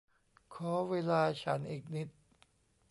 ขอเวลาฉันอีกนิด